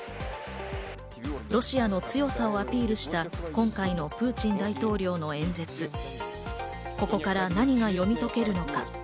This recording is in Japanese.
ロシアの強さをアピールした今回のプーチン大統領の演説、ここから何が読み解けるのか？